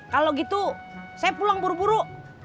kalau gitu saya pulang buru buru